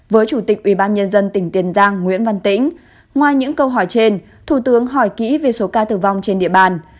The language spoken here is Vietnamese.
với chủ tịch ubnd tỉnh tiền giang nguyễn văn tĩnh ngoài những câu hỏi trên thủ tướng hỏi kỹ về số ca tử vong trên địa bàn